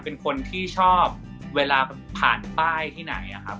เป็นคนที่ชอบเวลาผ่านป้ายที่ไหนครับ